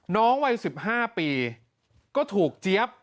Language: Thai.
น้องวัย๑๕ปีก็ถูกเจี๊ยบ